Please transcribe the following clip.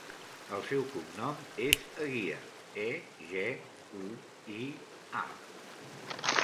El seu cognom és Eguia: e, ge, u, i, a.